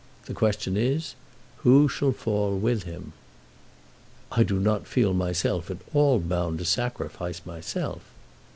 The question is, who shall fall with him?" "I do not feel myself at all bound to sacrifice myself."